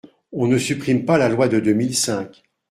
On ne supprime pas la loi de deux mille cinq.